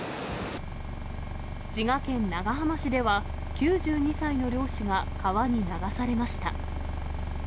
滋賀県長浜市では、９２歳の漁師が川に流されました。